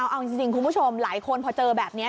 เอาจริงคุณผู้ชมหลายคนพอเจอแบบนี้